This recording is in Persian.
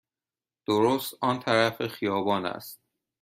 درست آن طرف خیابان است.